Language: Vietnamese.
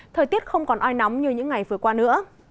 thời tiết không còn oi nóng như những ngày vừa qua nữa